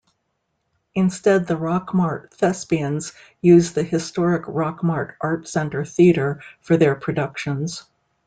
Instead, the Rockmart Thespians use the historic Rockmart Art Center Theatre for their productions.